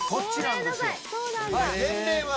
年齢は。